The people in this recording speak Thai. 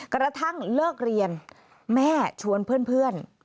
กระทั่งเลิกเรียนแม่ชวนเพื่อน